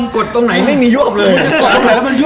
กดตรงไหนไม่มียวบเลย